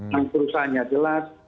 yang perusahaannya jelas